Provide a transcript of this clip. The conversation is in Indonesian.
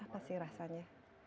apa sih rasanya